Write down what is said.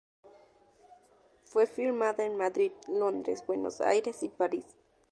Fue filmada en Madrid, Londres, Buenos Aires y París.